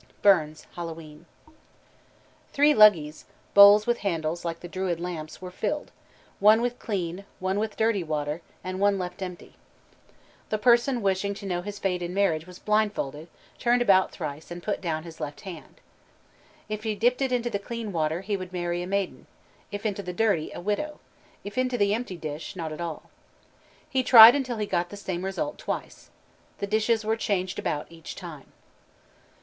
BURNS: Hallowe'en. Careful. Chimney. Three "luggies," bowls with handles like the Druid lamps, were filled, one with clean, one with dirty water, and one left empty. The person wishing to know his fate in marriage was blindfolded, turned about thrice, and put down his left hand. If he dipped it into the clean water, he would marry a maiden; if into the dirty, a widow; if into the empty dish, not at all. He tried until he got the same result twice. The dishes were changed about each time.